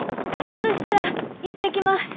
そしたら行ってきます。